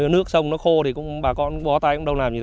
nước sông nó khô thì cũng bà con bó tay cũng đâu làm gì